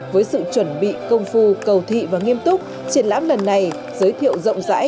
với sự chuẩn bị công phu cầu thị và nghiêm túc triển lãm lần này giới thiệu rộng rãi